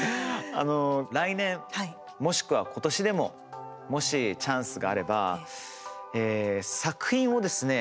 来年、もしくは今年でももしチャンスがあれば作品をですね